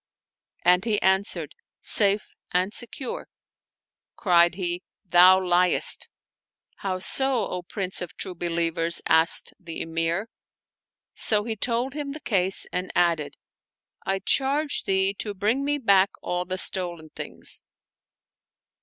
And he answered, "Safe and secure." Cried he, "Thou liestl" "How so, O Prince of True Believers?" asked the Emir. So he told him the case and added, " I charge thee to bring me back all the stolen things."